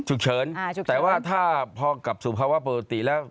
ฉุกเฉินแต่ว่าถ้าพอกลับสู่ภาวะปกติแล้ว